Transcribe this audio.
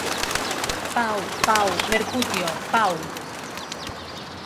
Pau, pau, Mercutio, pau!